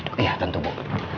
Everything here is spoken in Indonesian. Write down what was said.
iya tentu bu